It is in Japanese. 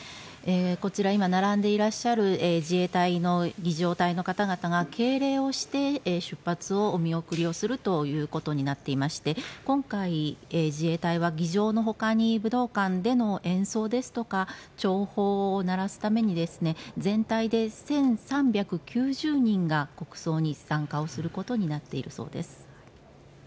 こちら、今、並んでいらっしゃる自衛隊の儀仗隊の方々が敬礼をして出発をお見送りをするということになっていまして今回、自衛隊は儀仗のほかに武道館での演奏ですとか弔砲を鳴らすために全体で１３９０人が国葬に参加をすることになっているそうです。